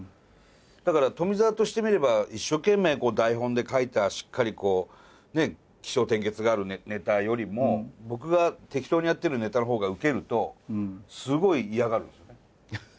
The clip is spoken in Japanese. だから富澤としてみれば一生懸命台本で書いたしっかり起承転結があるネタよりも僕が適当にやってるネタの方がウケるとすごい嫌がるんですよね。